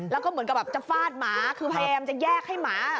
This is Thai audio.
แล้วก็เหมือนกับแบบจะฟาดหมาคือพยายามจะแยกให้หมา